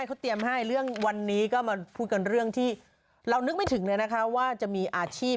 เขาเตรียมให้เรื่องวันนี้ก็มาพูดกันเรื่องที่เรานึกไม่ถึงเลยนะคะว่าจะมีอาชีพ